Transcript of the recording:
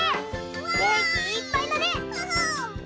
げんきいっぱいだね！